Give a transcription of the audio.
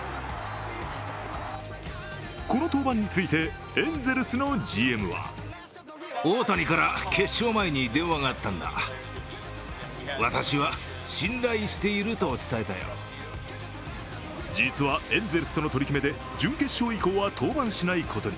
この当番について、エンゼルスのＧＭは実は、エンゼルスとの取り決めで準決勝以降は登板しないことに。